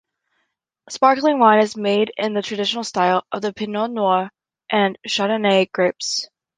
Sparkling wine is made in the traditional style from Pinot noir and Chardonnay grapes.